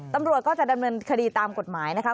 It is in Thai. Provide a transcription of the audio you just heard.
ตำรวจก็จะดำเนินคดีตามกฎหมายนะคะ